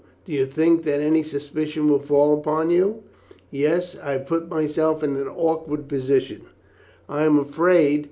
Do you think that any suspicion will fall upon you?" "Yes; I have put myself in an awkward position, I am afraid.